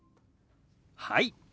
はい。